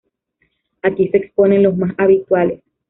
Aquí se exponen los más habituales.